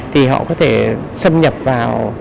thì họ có thể xâm nhập vào